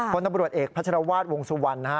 คนนบริวัติเอกพัชรวาสวงศ์สุวรรณนะฮะ